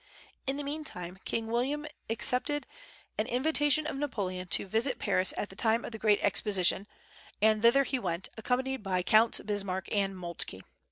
In the meantime King William accepted an invitation of Napoleon to visit Paris at the time of the Great Exposition; and thither he went, accompanied by Counts Bismarck and Moltke.